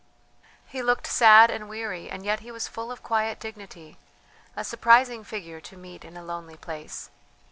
He looked sad and weary, and yet he was full of quiet dignity; a surprising figure to meet in a lonely place.